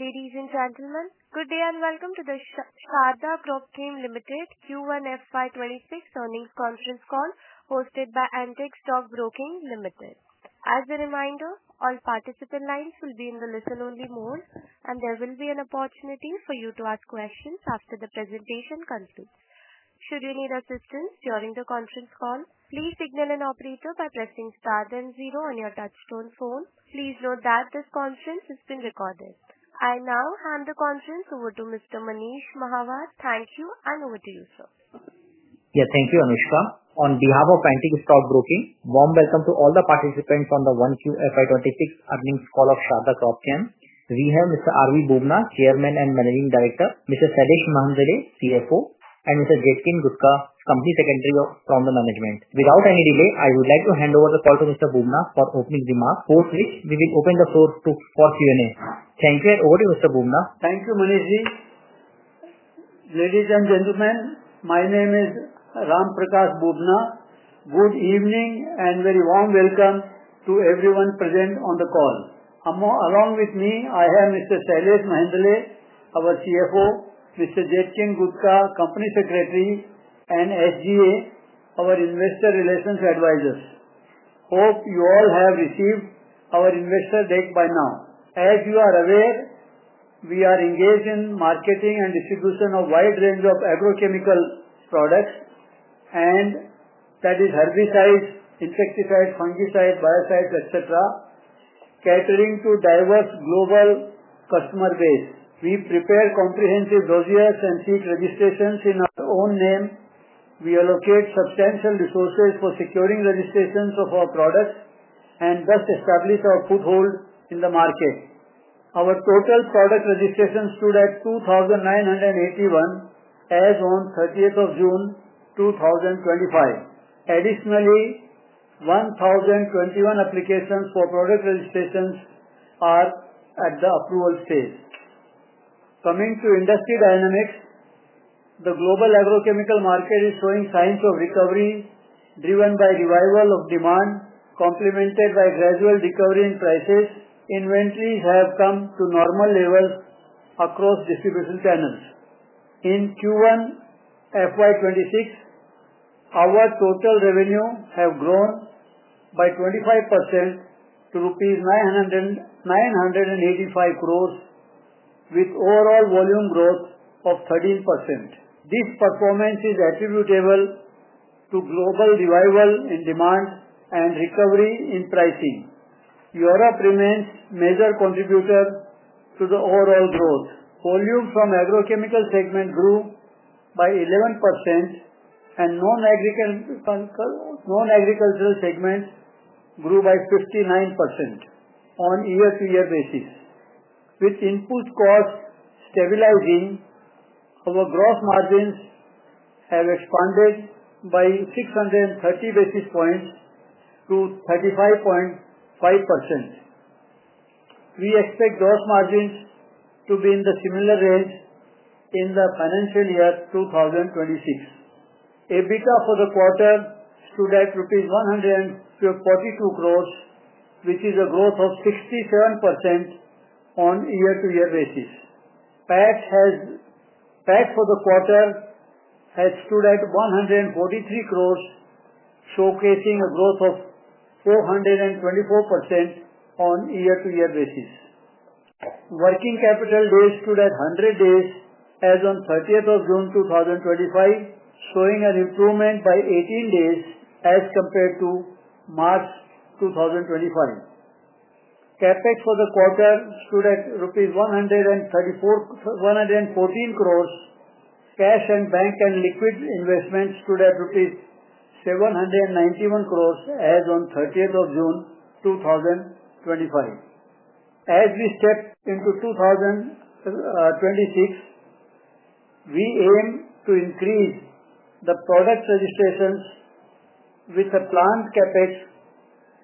Ladies and gentlemen, good day and welcome to the Sharda Cropchem Limited Q1 FY 2026 earnings conference call hosted by Antique Stock Broking Limited. As a reminder, all participant lines will be in the listen-only mode, and there will be an opportunity for you to ask questions after the presentation concludes. Should you need assistance during the conference call, please signal an operator by pressing star and zero on your touchtone phone. Please note that this conference is being recorded. I now hand the conference over to Mr. Manish Mahawar. Thank you, and over to you, sir. Yeah, thank you, Anushka. On behalf of Antique Stock Broking, warm welcome to all the participants on the 1Q FY 2026 earnings call of Sharda Cropchem. We have Mr. Ramprakash Bubna, Chairman and Managing Director, Mr. Shailesh Mehendale, CFO, and Mr. Jetkin Gudhka, Company Secretary. Without any delay, I would like to hand over the floor to Mr. Bubna for opening remarks, for which we will open the floor to call Q&A. Thank you and over to Mr. Bubna. Thank you, Manish. Ladies and gentlemen, my name is Ramprakash Bubna. Good evening and a very warm welcome to everyone present on the call. Along with me, I have Mr. Shailesh Mehendale, our CFO, Mr. Jetkin Gudhka, Company Secretary, and SGA, our investor relations advisors. Hope you all have received our investor deck by now. As you are aware, we are engaged in marketing and distribution of a wide range of agrochemical products, and that is herbicides, insecticides, fungicides, biocides, etc., catering to a diverse global customer base. We prepare comprehensive dossiers and seek registrations in our own name. We allocate substantial resources for securing registrations of our products and thus establish our foothold in the market. Our total product registrations stood at 2,981 as on 30th of June 2025. Additionally, 1,021 applications for product registrations are at the approval stage. Coming to industry dynamics, the global agrochemical market is showing signs of recovery, driven by a revival of demand, complemented by a gradual recovery in prices. Inventories have come to normal levels across distribution channels. In Q1 FY 2026, our total revenue has grown by 25% to rupees 985 crore, with overall volume growth of 13%. This performance is attributable to global revival in demand and recovery in pricing. Europe remains a major contributor to the overall growth. Volume from the agrochemical segment grew by 11%, and non-agrochemical segments grew by 59% on a year-to-year basis, which impulsed costs stabilizing. Our gross margins have expanded by 630 basis points to 35.5%. We expect gross margins to be in the similar range in the financial year 2026. EBITDA for the quarter stood at 142 crore, which is a growth of 67% on a year-to-year basis. PAT for the quarter has stood at 143 crore, showcasing a growth of 424% on a year-to-year basis. Working capital days stood at 100 days as on 30th of June 2025, showing an improvement by 18 days as compared to March 2025. CapEx for the quarter stood at rupees 114 crore. Cash and bank and liquid investments stood at rupees 791 crore as on 30th of June 2025. As we step into 2026, we aim to increase the product registrations with a planned CapEx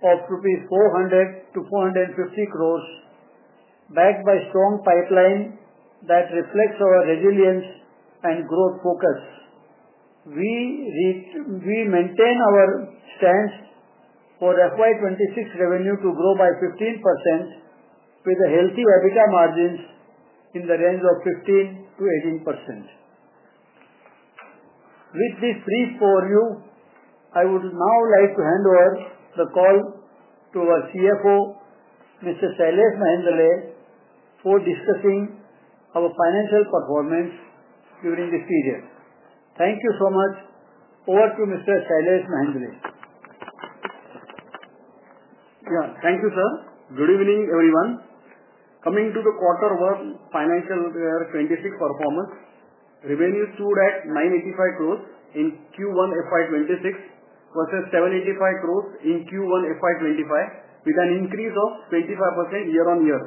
of 400 crore rupees to 450 crore, backed by a strong pipeline that reflects our resilience and growth focus. We maintain our stance for FY 2026 revenue to grow by 15% with a healthy EBITDA margin in the range of 15%-18%. With this brief overview, I would now like to hand over the call to our CFO, Mr. Shailesh Mehendale, for discussing our financial performance during this period. Thank you so much. Over to Mr. Shailesh Mehendale. Yeah, thank you, sir. Good evening, everyone. Coming to the quarter one financial year 2026 performance, revenue stood at 985 crore in Q1 FY 2026 versus 785 crore in Q1 FY 2025, with an increase of 25% year-on-year.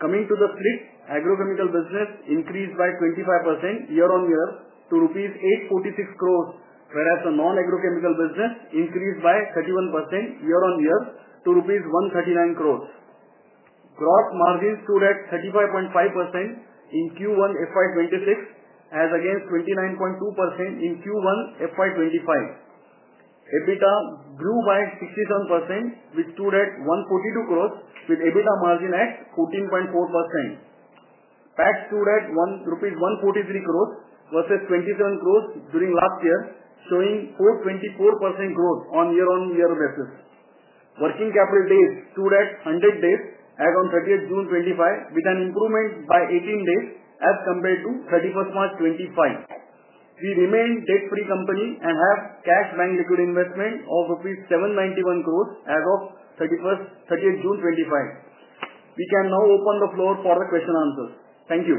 Coming to the flip, agrochemical business increased by 25% year-on-year to rupees 846 crore, whereas the non-agrochemical business increased by 31% year-on-year to INR 139 crore. Gross margins stood at 35.5% in Q1 FY 2026 as against 29.2% in Q1 FY 2025. EBITDA grew by 67%, which stood at 142 crore, with EBITDA margin at 14.4%. PAT stood at 143 crore versus 27 crore during last year, showing 424% growth on a year-on-year basis. Working capital days stood at 100 days as on 30th June 2025, with an improvement by 18 days as compared to 31st March 2025. We remain a debt-free company and have cash and bank liquid investment of rupees 791 crore as of 30th June 2025. We can now open the floor for the question and answers. Thank you.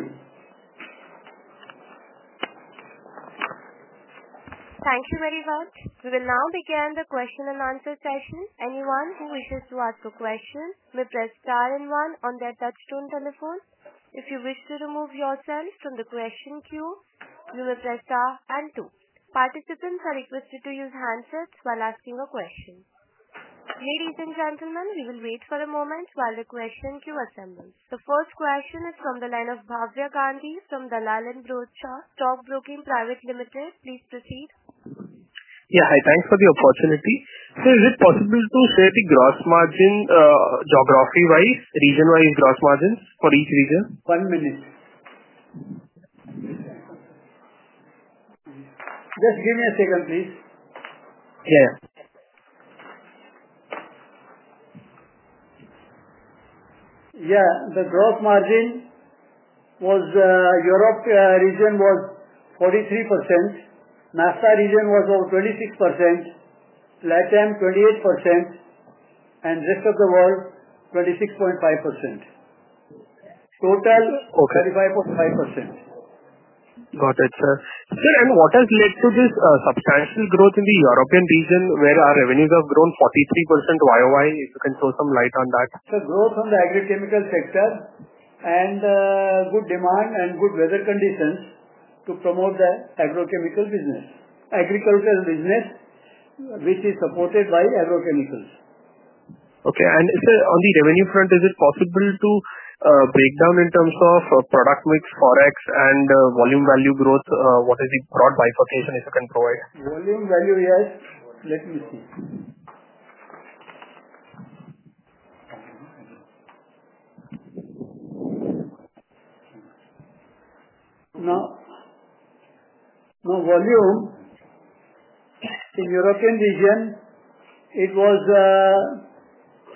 Thank you very much. We will now begin the question and answer session. Anyone who wishes to ask a question may press star and one on their touchtone telephone. If you wish to remove yourself from the question queue, you may press star and two. Participants are requested to use handsets while asking a question. Ladies and gentlemen, we will wait for a moment while the question queue assembles. The first question is from the line of Bhavya Gandhi from Dalal & Broacha Stock Broking Pvt. Ltd. Please proceed. Yeah, hi. Thanks for the opportunity. Sir, is it possible to set a gross margin geography-wise? Reason why you gross margins for each region? One minute. Just give me a second, please. Yeah, the gross margin for the Europe region was 43%, NAFTA region was over 26%, LATAM 28%, and the Rest of the World 26.5%. Total 35.5%. Got it, sir. Sir, what has led to this substantial growth in the European region where our revenues have grown 43%? If you can show some light on that. Sir, growth from the agrochemical sector and good demand and good weather conditions promote the agrochemical business, agricultural business, which is supported by agrochemicals. Okay. Sir, on the revenue front, is it possible to break down in terms of product mix, forex, and volume value growth? What is the broad bifurcation if you can provide? Volume value, yes. Let me see. Now, volume in the European region, it was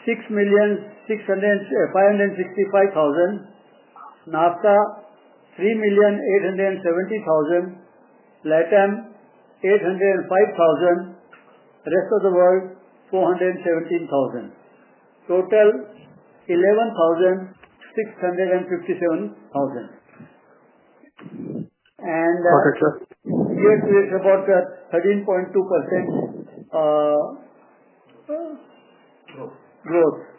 6.565 million. NAFTA 3.87 million. LATAM 805,000. Rest of the World 417,000. Total 11.657 million. What is the 13.2% growth.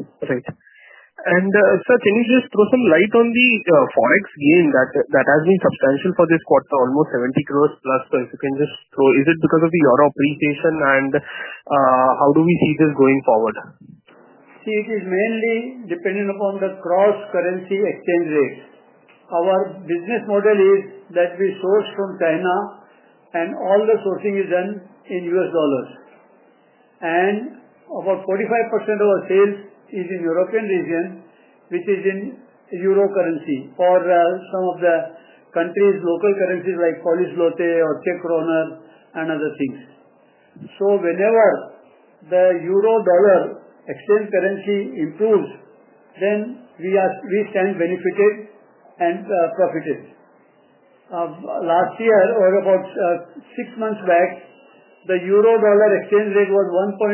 Great. Sir, can you just throw some light on the forex gain that has been substantial for this quarter, almost 70 crore plus? If you can just throw, is it because of the euro appreciation and how do we see this going forward? See, it is mainly dependent upon the cross-currency exchange rate. Our business model is that we source from China, and all the sourcing is done in U.S. dollars. About 45% of our sales is in the European region, which is in euro currency or some of the countries' local currencies like Polish złoty or Czech koruna and other things. Whenever the euro dollar exchange currency improves, we stand benefited and profited. Last year, or about six months back, the euro dollar exchange rate was $1.04,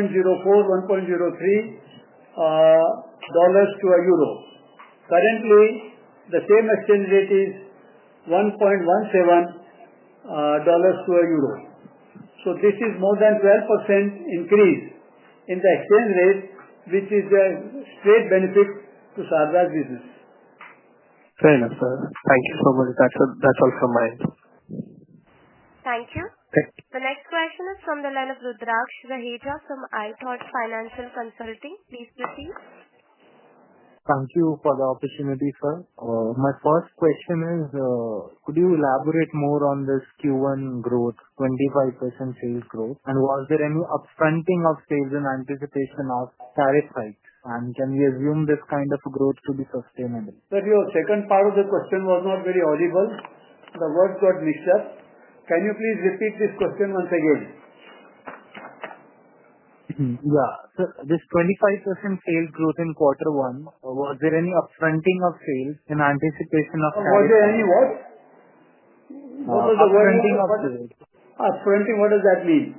$1.03 to a euro. Currently, the same exchange rate is $1.17 to a euro. This is more than a 12% increase in the exchange rates, which is a straight benefit to Sharda's business. Fair enough, sir. Thank you so much. That's all from my end. Thank you. The next question is from the line of Rudraksh Raheja from iThought Financial Consulting. Please proceed. Thank you for the opportunity, sir. My first question is, could you elaborate more on this Q1 growth, 25% sales growth, and was there any upfronting of sales in anticipation of tariff hikes? Can we assume this kind of growth to be sustainable? Sir, your second part of the question was not very audible. The word got disturbed. Can you please repeat this question once again? Yeah. Sir, this 25% sales growth in quarter one, was there any upfronting of sales in anticipation of tariffs? Was there any what? What was the word? Upfronting of sales. Upfronting, what does that mean?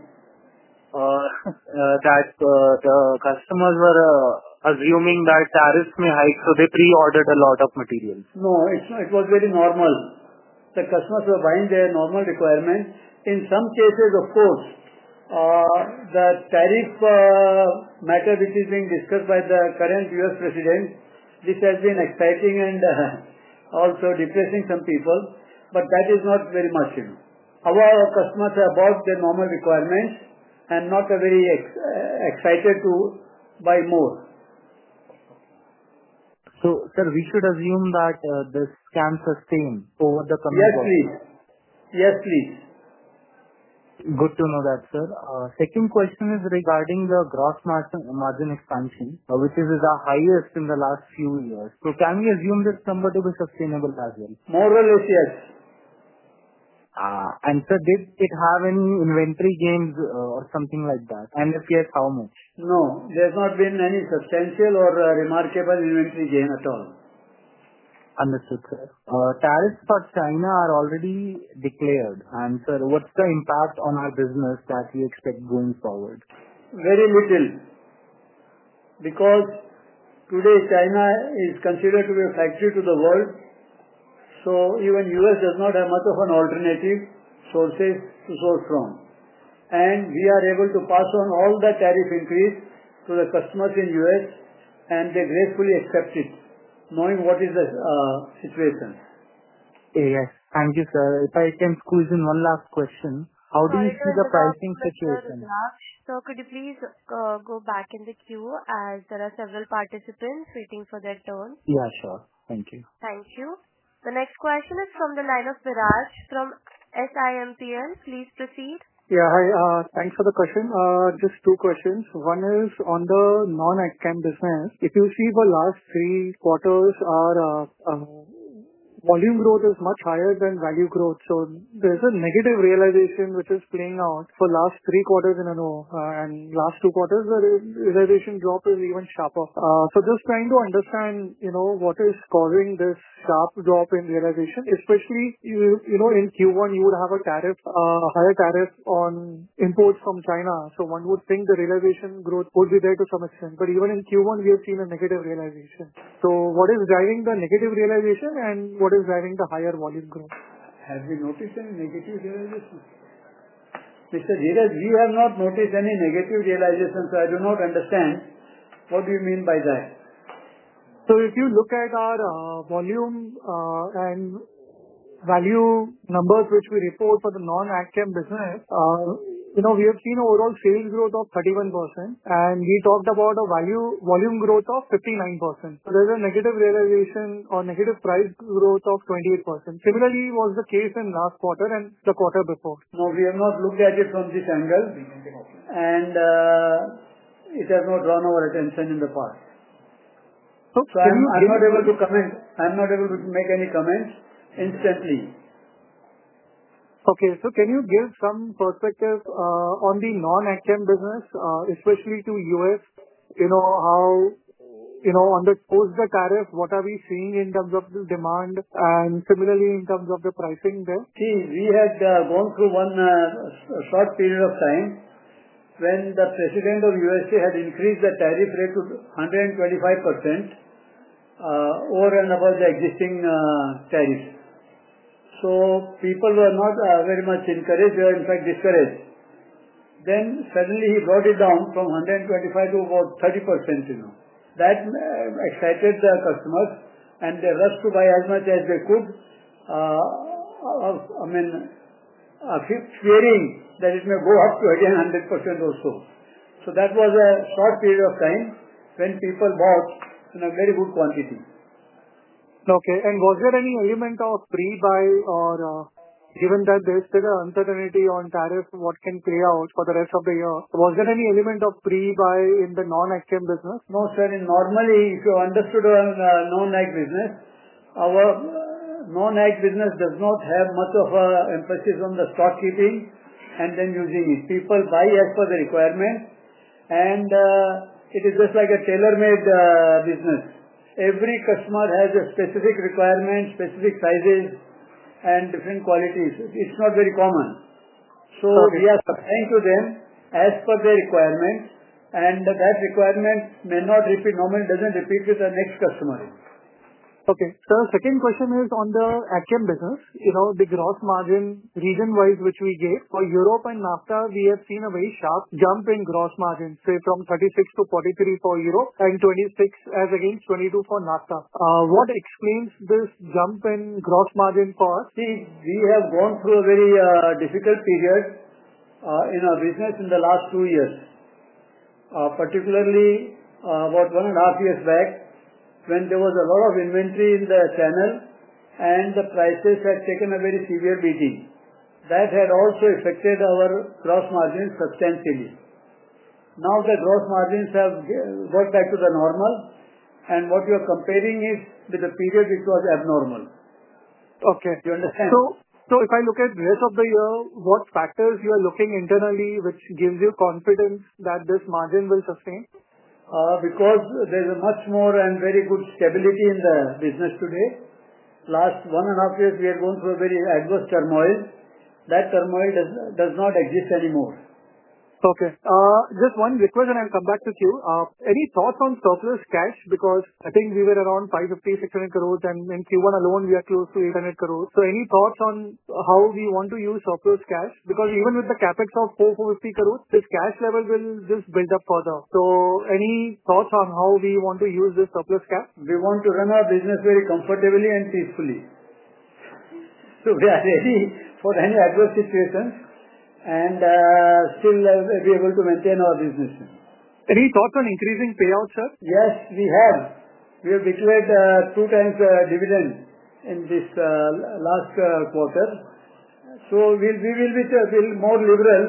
The customers are assuming that tariffs may hike, so they pre-ordered a lot of materials. No, it was very normal that customers were buying their normal requirements. In some cases, of course, the tariff matter which is being discussed by the current U.S. President, which has been exciting and also depressing some people, is not very much new. Our customers are above their normal requirements and not very excited to buy more. Sir, we should assume that this can sustain over the coming years. Yes, please. Yes, please. Good to know that, sir. Our second question is regarding the gross margin expansion, which is the highest in the last few years. Can we assume this number to be sustainable as well? My role is yes. Sir, did it have any inventory gains or something like that? If yes, how much? No, there's not been any substantial or remarkable inventory gain at all. Understood, sir. Tariffs for China are already declared. Sir, what's the impact on our business that you expect going forward? Very little. Because today, China is considered to be a factory to the world. Even the U.S. does not have much of an alternative sources to source from. We are able to pass on all the tariff increase to the customers in the U.S., and they gracefully accept it, knowing what is the situation. Yes. Thank you, sir. If I can squeeze in one last question, how do you see the pricing situation? Yeah, could you please go back in the queue, as there are several participants waiting for their turns? Yes, sir. Thank you. Thank you. The next question is from the line of Viras from Simpl. Please proceed. Yeah, hi. Thanks for the question. Just two questions. One is on the non-agrochemical business. If you see the last three quarters, our volume growth is much higher than value growth. There's a negative realization which is playing out for the last three quarters in a row. The last two quarters, the realization drop is even sharper. Just trying to understand what is causing this sharp drop in realization, especially in Q1, you would have a higher tariff on imports from China. One would think the realization growth would be there to some extent. Even in Q1, we have seen a negative realization. What is driving the negative realization and what is driving the higher volume growth? Have you noticed any negative realizations? Mr. Viras, you have not noticed any negative realizations, so I do not understand what do you mean by that? If you look at our volume and value numbers which we report for the non-agrochemical business, you know, we have seen overall sales growth of 31%. We talked about a value volume growth of 59%. There's a negative realization or negative price growth of 28%. Similarly, it was the case in the last quarter and the quarter before? No, we have not looked at it from this angle. It has not drawn our attention in the past. Okay. I'm not able to comment. I'm not able to make any comments instantly. Okay. Can you give some perspective on the non-agrochemical business, especially to the U.S.? You know, how you know on the post-tariff, what are we seeing in terms of the demand and similarly in terms of the pricing there? We had gone through one short period of time when the President of the U.S. had increased the tariff rate to 125% over and above the existing tariffs. People were not very much encouraged. They were, in fact, discouraged. Suddenly, he brought it down from 125% to about 30%. You know, that excited the customers, and they rushed to buy as much as they could, fearing that it may go up to again 100% also. That was a short period of time when people bought in a very good quantity. Okay. Was there any element of pre-buy or given that there's still an uncertainty on tariffs, what can play out for the rest of the year? Was there any element of pre-buy in the non-agrochemical business? No, sir. Normally, if you understood our non-ag business, our non-ag business does not have much of an emphasis on the stock keeping and then using it. People buy as per the requirement. It is just like a tailor-made business. Every customer has a specific requirement, specific sizes, and different qualities. It's not very common. We are supplying to them as per their requirements, and that requirement may not repeat, normally doesn't repeat with the next customer. Okay. The second question is on the academic business. The gross margin region-wise which we gave for Europe and NAFTA, we have seen a very sharp jump in gross margin, say from 36 to 43 for Europe and 26 as against 22 for NAFTA. What explains this jump in gross margin for? See, we have gone through a very difficult period in our business in the last two years, particularly about one and a half years back when there was a lot of inventory in the channel, and the prices had taken a very severe beating. That had also affected our gross margins substantially. Now the gross margins have gone back to the normal, and what you are comparing is with a period which was abnormal. Okay. Do you understand? If I look at the rest of the year, what factors are you looking internally which give you confidence that this margin will sustain? There is much more and very good stability in the business today? Last one and a half years, we are going through a very adverse turmoil. That turmoil does not exist anymore. Okay, just one request and I'll come back to you. Any thoughts on cash? Because I think we were around 550 crore-600 crore, and in Q1 alone, we are close to 800 crore. Any thoughts on how we want to use this cash? Because even with the CapEx of 450 crore, this cash level will just build up further. Any thoughts on how we want to use this cash? We want to run our business very comfortably and safely for any adverse situations and still be able to maintain our business. Any thoughts on increasing payouts, sir? Yes, we have. We have declared two times dividends in this last quarter. We will be more liberal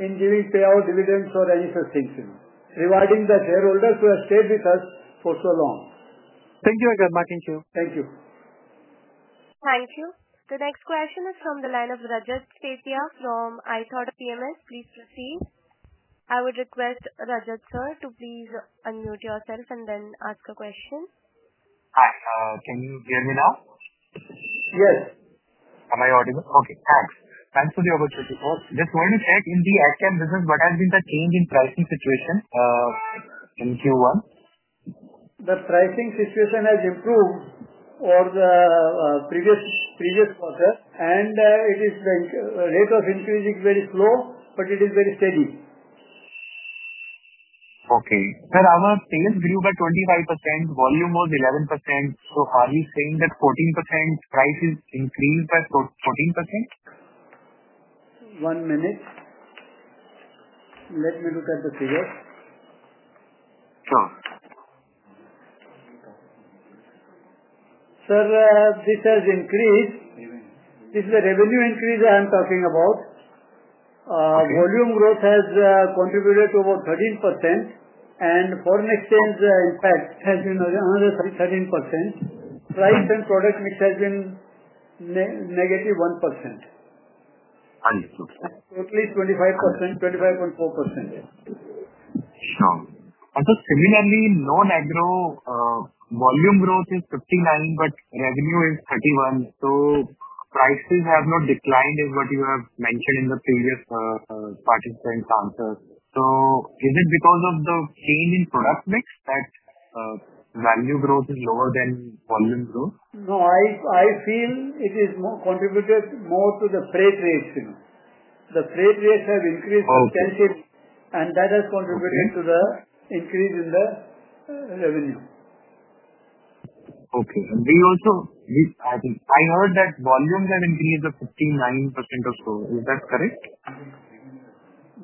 in giving payout dividends for any subscription, rewarding the shareholders who have stayed with us for so long. Thank you very much. Thank you. Thank you. The next question is from the line of Rajat Setiya fr`om iThought PMS. Please proceed. I would request Rajat, sir, to please unmute yourself and then ask a question. Hi, can you hear me now? Yes. Am I audible? Okay. Thanks. Thanks for the opportunity. In the academic business, what has been the change in pricing situation in Q1? The pricing situation has improved over the previous quarter, and the rate of increase is very slow, but it is very steady. Okay. Sir, our sales grew by 25%. Volume was 11%. Are you saying that price has increased by 14%? One minute. Let me look at the figures. Sir, this has increased. This is the revenue increase that I'm talking about. Volume growth has contributed to about 13%, and foreign exchange impact has been another 13%. Price and product mix has been -1%. Understood. At least 25.4%. Sure. I thought similarly, non-agro volume growth is 59%, but revenue is 31%. Prices have not declined is what you have mentioned in the previous participant answer. Is it because of the change in product mix that value growth is lower than volume growth? No, I feel it has contributed more to the freight rates. The freight rates have increased substantially, and that has contributed to the increase in the revenue. Okay. I heard that volume has increased by 59% or so. Is that correct?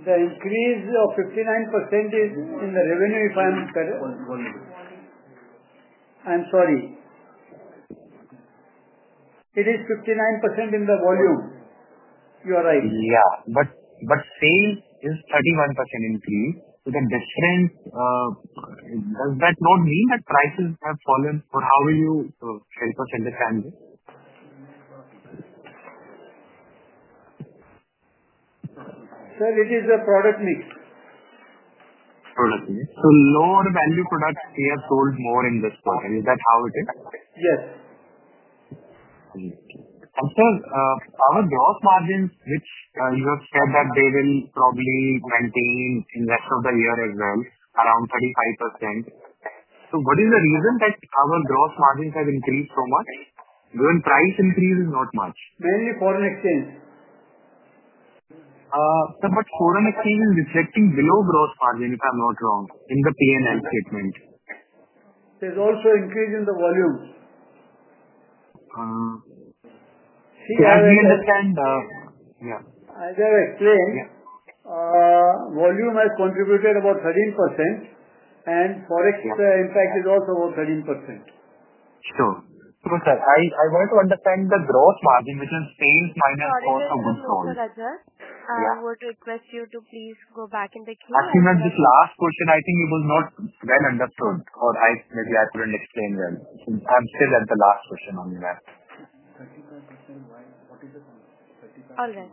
The increase of 59% is in the revenue if I'm correct. Only. I'm sorry. It is 59% in the volume. You're right. Yeah, sales is 31% increase. Is it a difference? Does that not mean that prices have fallen? How will you help us understand this? Sir, it is the product mix. Product mix. Lower value products, they are sold more in this quarter. Is that how it is? Yes. Okay. Sir, our gross margins, you have said that they will probably maintain in the rest of the year as well, around 35%. What is the reason that our gross margins have increased so much? Even price increase is not much. Mainly foreign exchange. Foreign exchange is reflecting below gross margin if I'm not wrong in the P&L statement. There's also an increase in the volume. I understand. Yeah. As I explained, volume has contributed about 13%, and forex, in fact, is also about 13%. Sure. Sir, I want to understand the gross margin between sales minus cost. Thank you, Rajat. I would request you to please go back in the queue. This last question, I think you will not then understand, or maybe I couldn't explain well until at the last question on that. 35%. What is it? All right.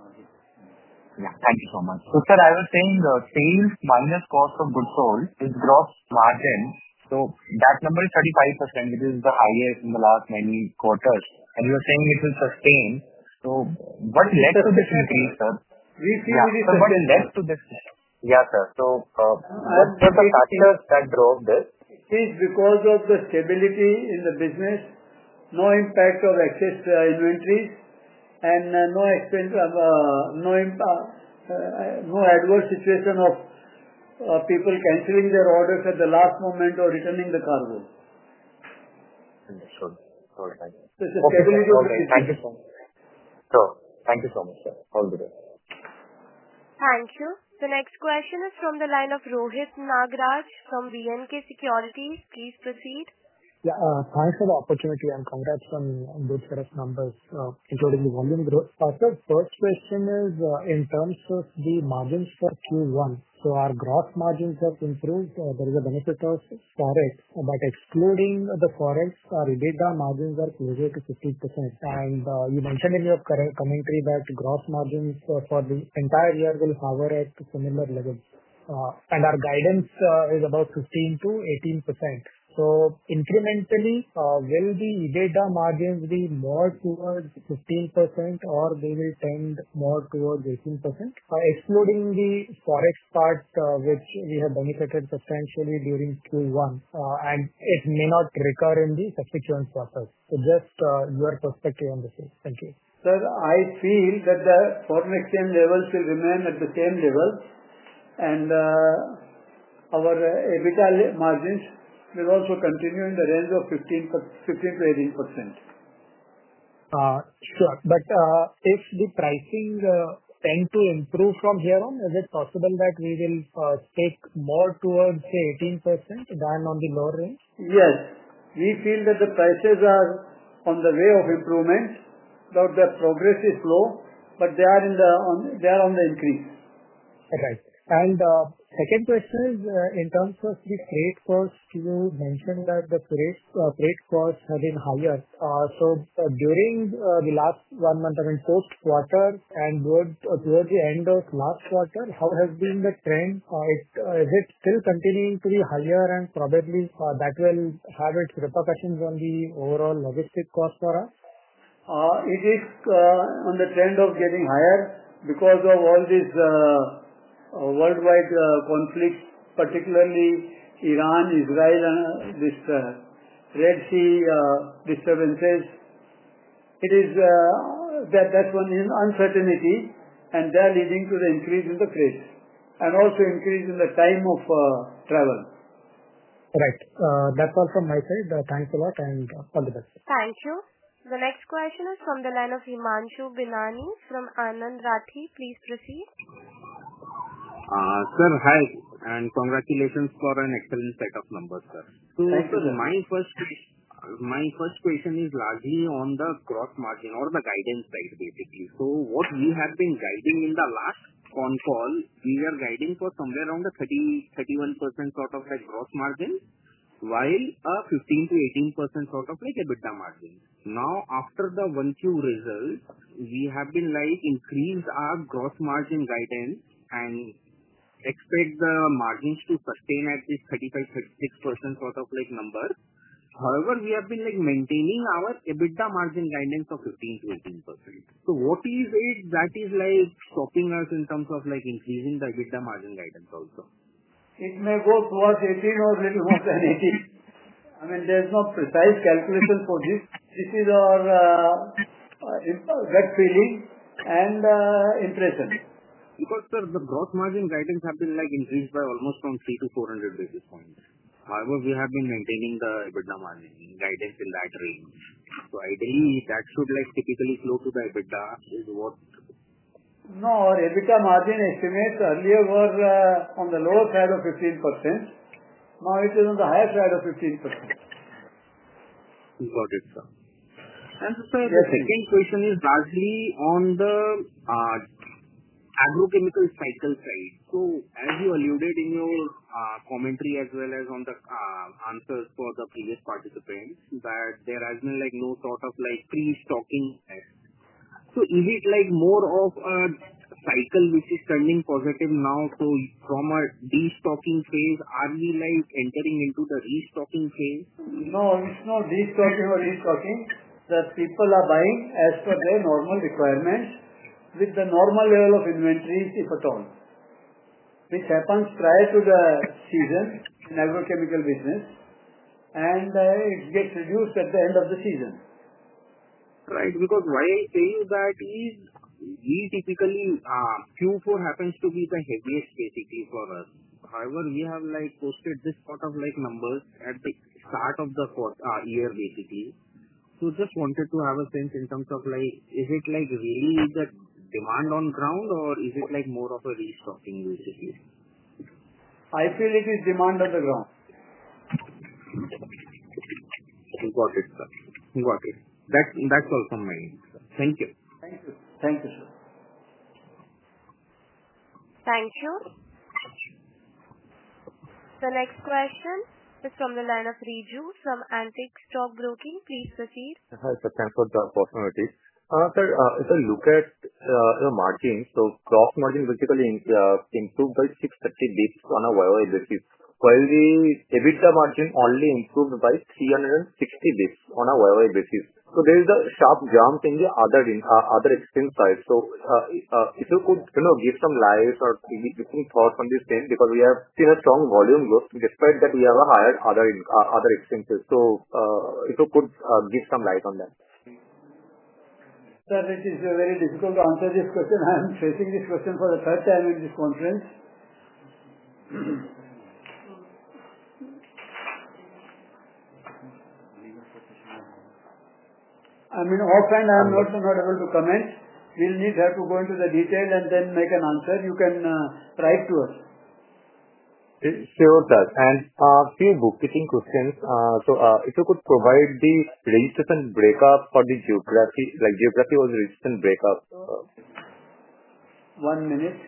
Thank you so much. Sir, I was saying sales minus cost of goods sold, it's gross margin. That number is 35%, which is the highest in the last many quarters. You were saying it will sustain. What led to this increase, sir? We see we just put in that to this. Yeah, sir. What were the factors that drove this? It is because of the stability in the business, no impact of excess inventories, and no adverse situation of people canceling their orders at the last moment or returning the cargo. Understood. All right. This is the stability of the business. Thank you so much. Sir, thank you so much. All the best. Thank you. The next question is from the line of Rohit Nagraj from B&K Securities. Please proceed. Yeah. Thanks for the opportunity and congrats on those correct numbers, including the volume growth factors. First question is, in terms of the margins for Q1, our gross margins have improved. There is a benefit of forex. Excluding the forex, our EBITDA margins are closer to 16%. You mentioned in your commentary that gross margins for the entire year will hover at similar levels, and our guidance is about 15%-18%. Incrementally, will the EBITDA margins be more towards 15% or will they tend more towards 18%? Excluding the forex part, which we have benefited substantially during Q1, and it may not recur in the subscription process. It's just your perspective on the same. Thank you. Sir, I feel that the foreign exchange levels will remain at the same levels, and our EBITDA margins will also continue in the range of 15%-18%. If the prices tend to improve from here on, is it possible that we will stick more towards, say, 18% than on the lower range? Yes. We feel that the prices are on the way of improvement. Though they're progressively low, they are on the increase. Okay. The second question is, in terms of the freight costs, you mentioned that the freight costs have been higher. During the last one month, I mean, post-quarter and towards the end of last quarter, how has the trend been? Is it still continuing to be higher and probably that will have its repercussions on the overall logistic cost for us? It is on the trend of getting higher because of all these worldwide conflicts, particularly Iran, Israel, and these Red Sea disturbances. That’s when uncertainty and they are leading to the increase in the freight and also increase in the time of travel. Right. That was from my side. Thanks a lot and all the best. Thank you. The next question is from the line of Himanshu Binani from Anand Rathi. Please proceed. Hi. Congratulations for an excellent set of numbers, sir. My first question is largely on the gross margin or the guidance side, basically. What we have been guiding in the last call, we are guiding for somewhere around the 30%-31% sort of gross margin while a 15%-18% sort of EBITDA margin. Now, after the Q1 result, we have increased our gross margin guidance and expect the margins to sustain at this 35%-36% sort of number. However, we have been maintaining our EBITDA margin guidance of 15%-18%. What is it that is stopping us in terms of increasing the EBITDA margin guidance also? It may go towards 18 or a little more than 18. I mean, there's no precise calculation for this. This is our gut feeling and impression. Because, sir, the gross margin guidance has been increased by almost 300 to 400 basis points. However, we have been maintaining the EBITDA margin guidance in that range. Ideally, that should typically flow to the EBITDA is what. No, our EBITDA margin estimates earlier were on the lower side of 15%. Now it is on the higher side of 15%. Got it, sir. The second question is largely on the agrochemical cycle side. As you alluded in your commentary as well as in the answers for the previous participants, there has been no thought of pre-stocking. Is it more of a cycle which is trending positive now from a destocking phase? Are we entering into the restocking phase? No, it's not destocking or restocking. People are buying as per their normal requirements with the normal level of inventories, if at all. This happens prior to the season in the agrochemical business, and it gets reduced at the end of the season. Right. Because while that is, we typically Q4 happens to be the heaviest basically for us. However, we have quoted this sort of numbers at the start of the quarter year basically. Just wanted to have a sense in terms of is it really that demand on the ground or is it more of a restocking basically? I feel it is demand on the ground. Got it, sir. Got it. That's all from my end. Thank you. Thank you. Thank you, sir. Thank you. The next question is from the line of Riju from Antique Stock Broking. Please proceed. Hi, sir. Thanks for the opportunity. Sir, if I look at the margins, the gross margin basically improved by 630 basis points on a year-over-year basis, while the EBITDA margin only improved by 360 basis points on a year-over-year basis. There is a sharp jump in the other expense side. If you could give some light or give me thoughts on this thing because we have seen a strong volume growth. Despite that, we have higher other expenses. If you could give some light on that. Sir, it is very difficult to answer this question. I am facing this question for the third time in this conference. I mean, offhand, I am not able to comment. We'll need to go into the detail and then make an answer. You can write to us. Sure, sir. A few bookkeeping questions. If you could provide the strengths and breakup for the geography, like geography-wise resistant breakup. One minute.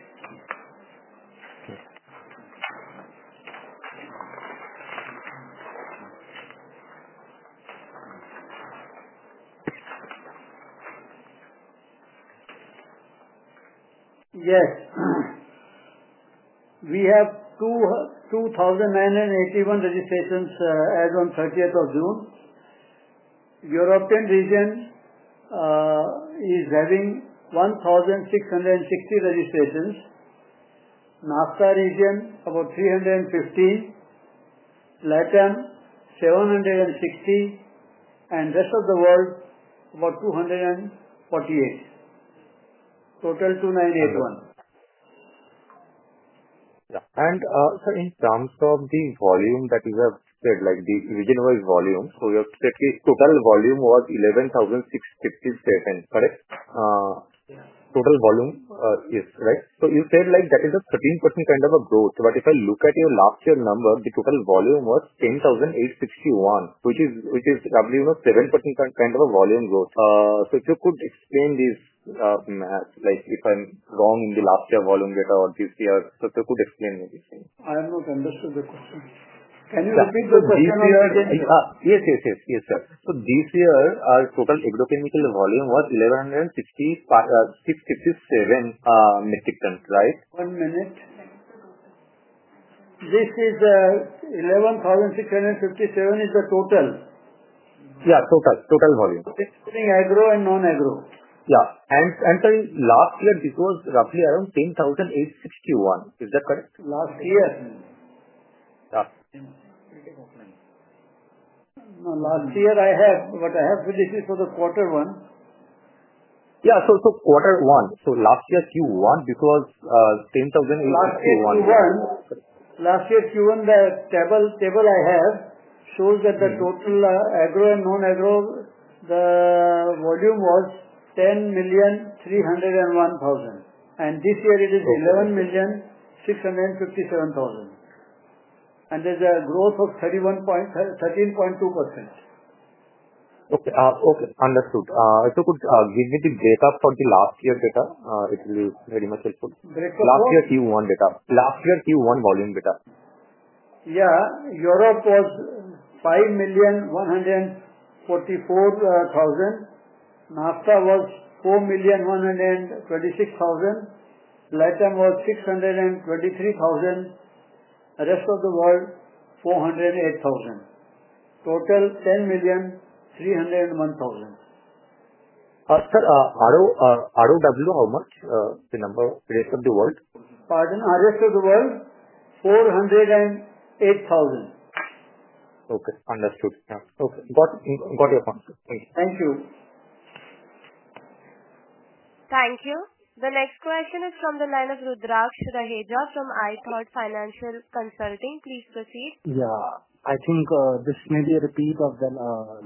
Yes. We have 2,981 registrations as on 30th of June. European region is having 1,660 registrations. NAFTA region about 315, LATAM 760, and the Rest of the World about 248. Total 2,981. Yeah. Sir, in terms of the volume that you have said, like the region-wide volume, you have said this total volume was 11,657, correct? Total volume, yes, right? You said that is a 13% kind of a growth. If I look at your last year number, the total volume was 10,861, which is probably, you know, 7% kind of a volume growth. If you could explain this math, like if I'm wrong in the last year volume data or this year, if you could explain anything. I did not understand the question. Can you repeat the question? Yes, sir. This year, our total agrochemical volume was 11,657, right? One minute. This is 11,657 is the total. Yeah, total. Total volume. It's spinning agro and non-agrochemical segments. Yeah, sir, in last year, this was roughly around 10,861. Is that correct? Last year? Last year. No, last year I have, but I have finished it for the quarter one. Yeah, quarter one. Last year Q1 because 10,000. Last year, Q1 the table I have shows that the total agro and non-agro, the volume was 10.301 million. This year it is 11.657 million, and there's a growth of 13.2%. Okay. Okay. Understood. If you could give me the breakup for the last year data, it will be very much helpful. Last year Q1 data. Last year Q1 volume data. Yeah. Europe has $5.144 million. NAFTA was $4.126 million. LATAM was $0.623 million. The Rest of the World $0.408 million. Total $10.301 million. After ROW, how much the number of the Rest of the World? Pardon? Rest of the World $408,000. Okay, understood. Yeah, okay. Got it. Thank you. Thank you. The next question is from the line of Rudraksh Raheja from iThought Financial Consulting. Please proceed. Yeah. I think this may be a repeat of the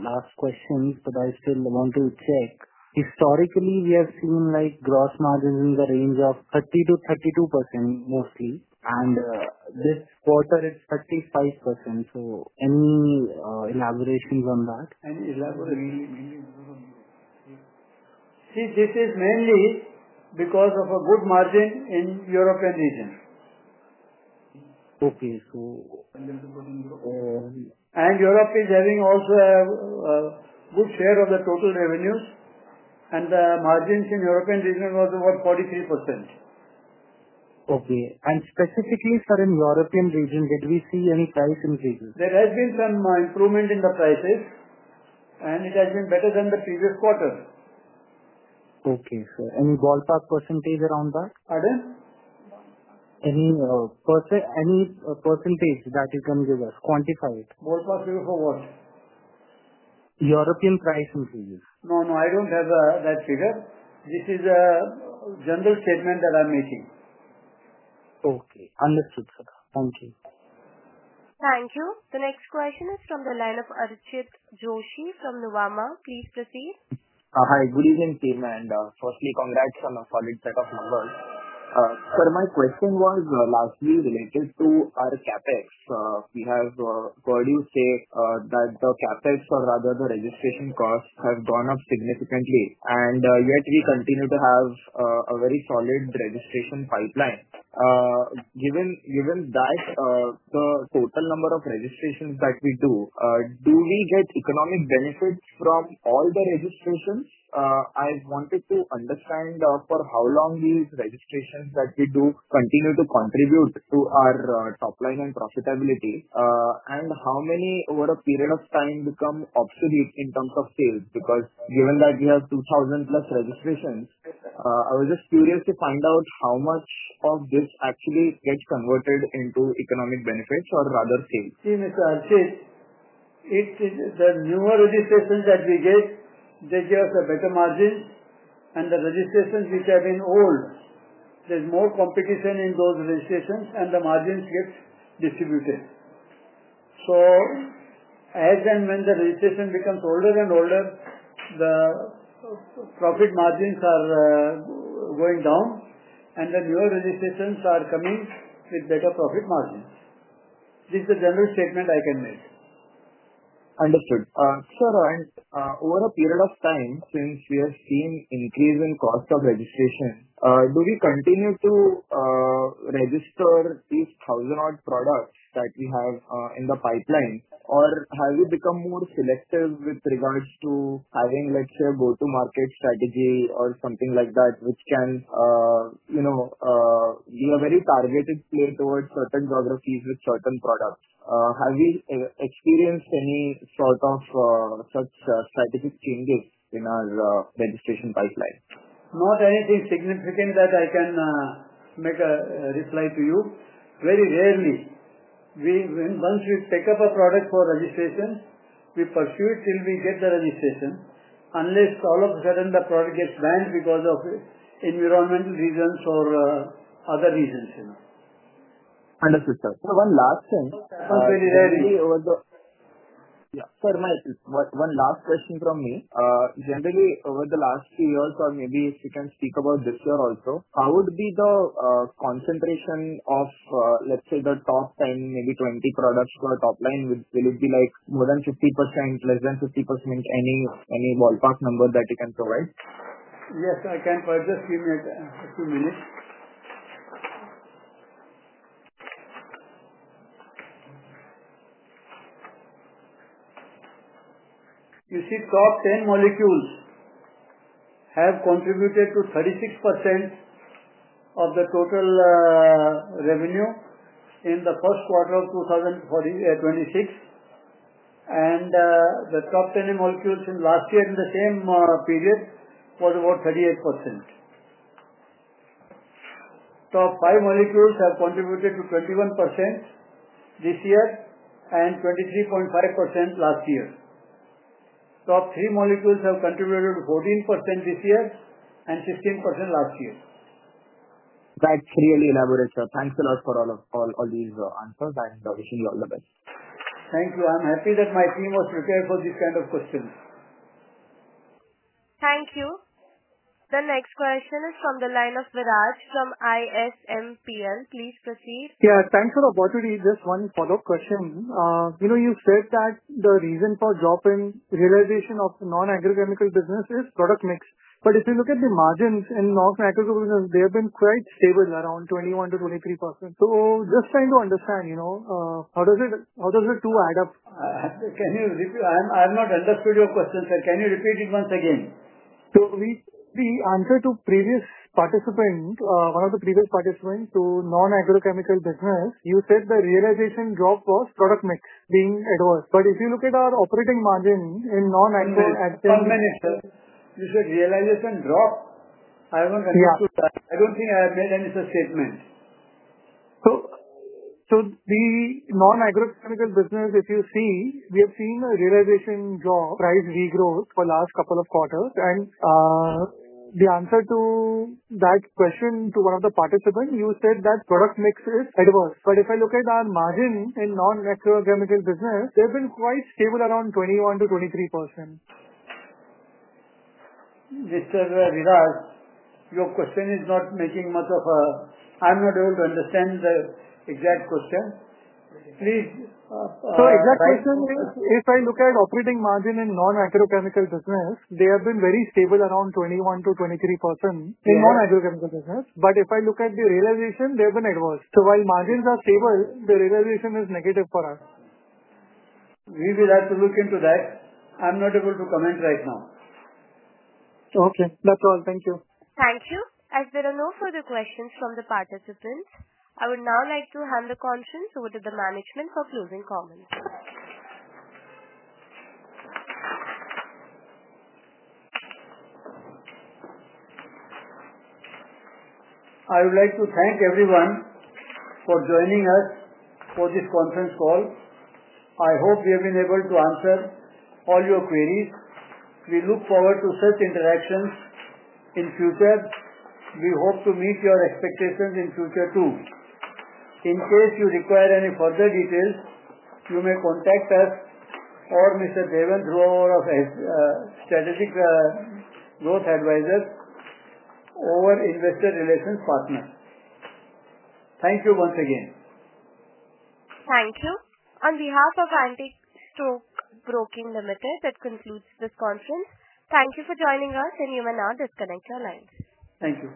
last questions, but I still want to check. Historically, we have seen like gross margins in the range of 30%-32% mostly. This quarter, it's 35%. Any elaborations on that? This is mainly because of a good margin in the European region. Okay. So. Europe is having also a good share of the total revenue. The margins in the European region was about 43%. Okay. Specifically for the European region, did we see any price increase? There has been some improvement in the prices. It has been better than the previous quarter. Okay. Any ballpark percentage around that? Pardon? Any % that you can give us? Quantify it. Ballpark figure for what? European price increase. No, no. I don't have that figure. This is a general statement that I'm making. Okay. Understood, sir. Thank you. Thank you. The next question is from the line of Archit Joshi from Nuvama. Please proceed. Hi. Good evening, team. Firstly, congrats on a solid set of numbers. Sir, my question was last year related to our CapEx. We have heard you say that the CapEx or rather the registration costs have gone up significantly. Yet we continue to have a very solid registration pipeline. Given that the total number of registrations that we do, do we get economic benefits from all the registrations? I wanted to understand for how long these registrations that we do continue to contribute to our top line and profitability. How many over a period of time become obsolete in terms of sales? Given that we have 2,000-plus registrations, I was just curious to find out how much of this actually gets converted into economic benefits or rather sales. See, Mr. Archit, if the newer registrations that we get, they give us a better margin. The registrations which have been old, there's more competition in those registrations, and the margins get distributed. As and when the registration becomes older and older, the profit margins are going down. The newer registrations are coming with better profit margins. This is the general statement I can make. Understood. Sir, over a period of time, since we have seen increasing cost of registration, do we continue to register these thousand-odd products that you have in the pipeline, or have we become more selective with regards to having, let's say, a go-to-market strategy or something like that, which can be a very targeted play towards certain geographies with certain products? Have you experienced any sort of such strategic changes in our registration pipeline? Not anything significant that I can make a reply to you. Very rarely, once we pick up a product for registration, we pursue it till we get the registration unless all of a sudden the product gets banned because of environmental reasons or other reasons. Understood, sir. One last thing. That was very rarely over the. Yeah. Sorry, My. One last question from me. Generally, over the last few years, or maybe if you can speak about this year also, how would be the concentration of, let's say, the top 10, maybe 20 products for our top line? Will it be like more than 50%, less than 50%? Any ballpark number that you can provide? Yes, sir. I can pursue you in a few minutes. You see, top 10 molecules have contributed to 36% of the total revenue in the first quarter of 2026. The top 10 molecules in last year in the same period was about 38%. Top 5 molecules have contributed to 21% this year and 23.5% last year. Top 3 molecules have contributed to 14% this year and 16% last year. That's really elaborate, sir. Thanks a lot for all these answers. I enjoyed seeing you. All the best. Thank you. I'm happy that my team was prepared for this kind of questions. Thank you. The next question is from the line of Viras from Simpl. Please proceed. Yeah. Thanks for the opportunity. Just one follow-up question. You know, you said that the reason for drop in realization of non-agrochemical business is product mix. If you look at the margins in non-agrochemical business, they have been quite stable, around 21%-23%. Just trying to understand, you know, how does the two add up? Can you repeat? I have not understood your question, sir. Can you repeat it once again? We answered to one of the previous participants to non-agrochemical business. You said the realization drop was product mix being it was. If you look at our operating margin in non-agrochemical business, you said realization drop. I don't understood that. I don't think I have made any such statement. The non-agrochemical business, if you see, we have seen a realization drop, price regrowth for the last couple of quarters. The answer to that question to one of the participants, you said that product mix is adverse. If I look at our margin in non-agrochemical business, they've been quite stable, around 21%-23%. Mr. Viras, your question is not making much sense. I'm not able to understand the exact question. Please. If I look at operating margin in non-agrochemical business, they have been very stable, around 21%-23% in non-agrochemical business. If I look at the realization, they have been adverse. While margins are stable, the realization is negative for us. We will have to look into that. I'm not able to comment right now. Okay, that's all. Thank you. Thank you. As there are no further questions from the participants, I would now like to hand the conscience over to the management for closing comments. I would like to thank everyone for joining us for this conference call. I hope we have been able to answer all your queries. We look forward to such interactions in the future. We hope to meet your expectations in the future too. In case you require any further details, you may contact us or SGA, who are our Strategic Growth Advisors over investor relations partners. Thank you once again. Thank you. On behalf of Antique Stock Broking Limited, that concludes this conference. Thank you for joining us, and you may now disconnect your lines. Thank you.